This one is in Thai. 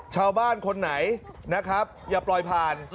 ชาวบ้านคนไหนนะครับอย่าปล่อยผ่าน